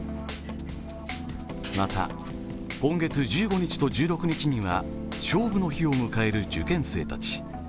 また今月１５日と１６日には勝負の日を迎える受験生たち。